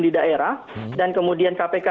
di daerah dan kemudian kpk